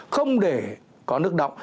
không để có nước đọng